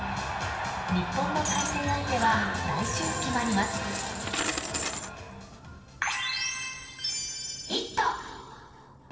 日本の対戦相手は来週決まります。